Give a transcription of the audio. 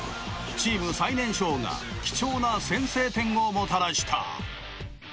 チーム最年少が貴重な先制点をもたらした。